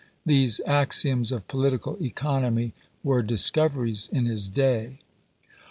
These axioms of political economy were discoveries in his day.